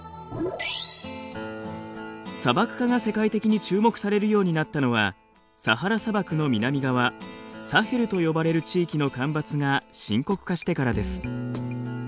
砂漠化が世界的に注目されるようになったのはサハラ砂漠の南側サヘルと呼ばれる地域の干ばつが深刻化してからです。